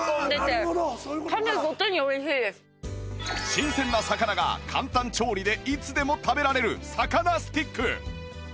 新鮮な魚が簡単調理でいつでも食べられる魚スティック